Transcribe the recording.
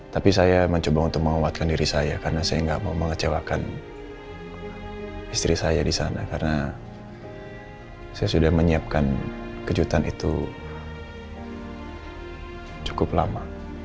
tapi saya mencoba untuk menguatkan diri saya karena saya nggak mau mengecewakan istri saya di sana karena saya sudah menyiapkan kejutan itu cukup lama